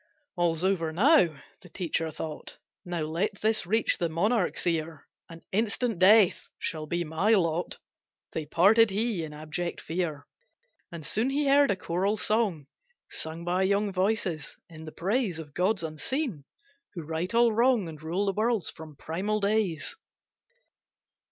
All's over now, the teacher thought, Now let this reach the monarch's ear! And instant death shall be my lot. They parted, he in abject fear. And soon he heard a choral song Sung by young voices in the praise Of gods unseen, who right all wrong, And rule the worlds from primal days.